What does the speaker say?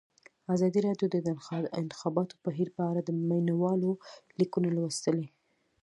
ازادي راډیو د د انتخاباتو بهیر په اړه د مینه والو لیکونه لوستي.